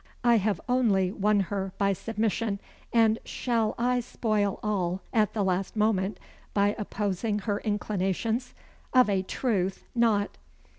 I have only won her by submission, and shall I spoil all at the last moment, by opposing her inclinations? Of a truth not."